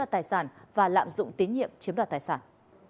tài sản và lạm dụng tín nhiệm chiếm đoạt tài sản